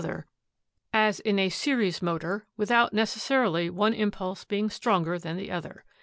Lowell, Mass., U.S.A. 10. series motor, without necessarily one im pulse being stronger than the other.